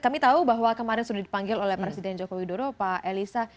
kami tahu bahwa kemarin sudah dipanggil oleh presiden joko widodo pak elisa